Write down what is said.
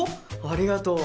ありがとう。